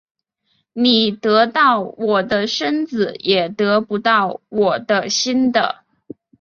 你得到我的身子也得不到我的心的